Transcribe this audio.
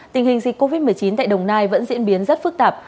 tình hình dịch covid một mươi chín tại đồng nai vẫn diễn biến rất phức tạp